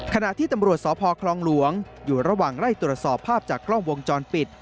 ขณะที่ตำรวจสพคลองหลวงอยู่ระหว่างไล่ตรวจสอบภาพจากกล้องวงจรปิด